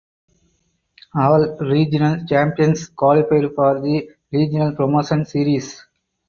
All regional champions qualified for the Regional Promotion Series.